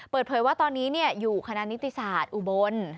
เปิดเผยว่าตอนนี้อยู่คณะนิติศาสตร์อุบล